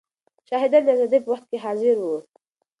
شاهدان د ازادۍ په وخت کې حاضر وو.